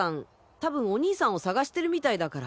たぶんお兄さんを捜してるみたいだから。